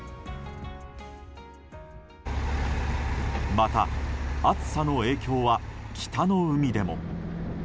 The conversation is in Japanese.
また暑さの影響は北の海でも。